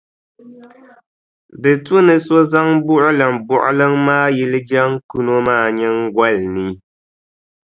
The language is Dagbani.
Di tu ni so zaŋ buɣilimbuɣiliŋ maa yili jaŋkuno maa nyiŋgoli ni.